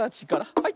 はい。